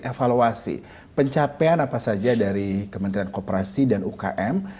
evaluasi pencapaian apa saja dari kementerian kooperasi dan ukm